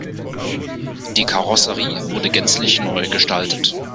Die Karosserie wurde gänzlich neu gestaltet.